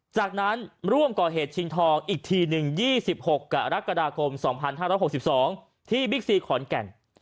จากนั้นร่วมก่อเหตุชิงทองอีกทีหนึ่ง๒๖กรกฎาคม๒๕๖๒ที่บิ๊กซีขอนแก่น